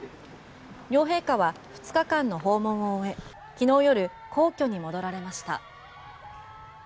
両陛下は２日間の訪問を終え昨日夜、皇居に戻られました。